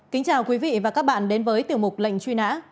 kính chào quý vị và các bạn đến với tiểu mục lệnh truy nã